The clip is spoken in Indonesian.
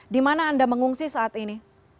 di mana anda mengungsi saat ini